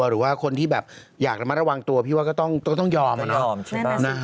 หรือว่าคนที่อยากมาระวังตัวก็ต้องยอม